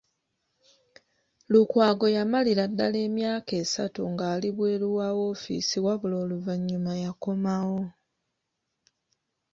Lukwago yamalira ddala emyaka esatu ng’ali bweru wa woofiisi wabula oluvannyuma yakomawo.